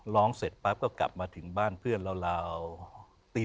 ร้องเสร็จปั๊บก็กลับมาถึงบ้านเพื่อนราวตี